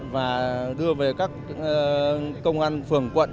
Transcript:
và đưa về các công an phường quận